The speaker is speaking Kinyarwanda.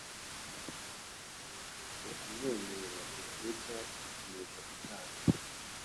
ukumwenyura guturuka ku kunesha kwa Satani,